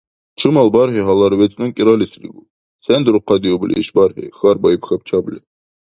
— Чумал бархӀи гьалар вецӀну кӀиралисригу, сен дурхъадиубли ишбархӀи? — хьарбаиб хабчабли.